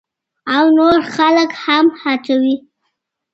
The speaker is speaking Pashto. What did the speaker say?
او نور خلک هم هڅوي.